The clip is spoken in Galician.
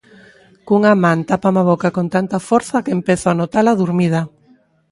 Cunha man tápame a boca con tanta forza que empezo a notala durmida.